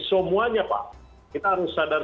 semuanya pak kita harus sadar